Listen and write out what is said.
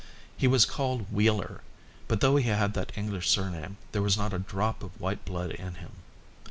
He was called Wheeler, but though he had that English surname there was not a drop of white blood in him.